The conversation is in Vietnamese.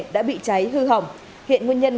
đã bị cháy hư hỏng hiện nguyên nhân